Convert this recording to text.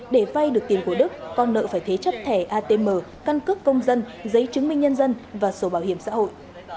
để vay được tiền của đức con nợ phải thế chấp thẻ atm căn cước công dân giấy chứng minh nhân dân và sổ bảo hiểm xã hội